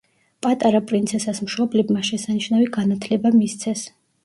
პატარა პრინცესას მშობლებმა შესანიშნავი განათლება მისცეს.